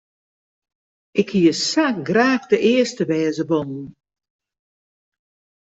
Ik hie sa graach de earste wêze wollen.